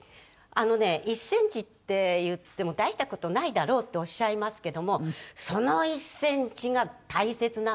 あのね１センチっていっても大した事ないだろうっておっしゃいますけどもその１センチが大切なんですね。